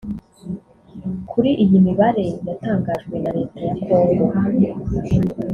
Kuri iyi mibare yatangajwe na leta ya Congo